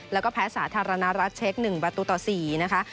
แล้วก็แพ้สาธารณรัฐเช็ค๑ประตูต่อ๔นะคะ